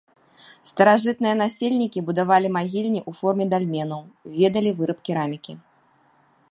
Старажытныя насельнікі будавалі магільні ў форме дальменаў, ведалі выраб керамікі.